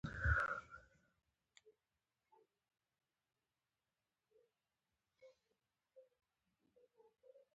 ولې د مثبت فکر او احساساتو لرونکي اوږد عمر او ښه روغتیا لري؟